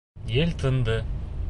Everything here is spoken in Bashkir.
Ел тынды.